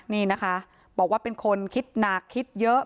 นี่นะคะบอกว่าเป็นคนคิดหนักคิดเยอะ